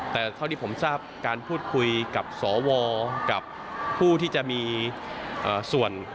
แต่เท่าที่ผมทราบการพูดคุยกับสวกับผู้ที่จะมีส่วน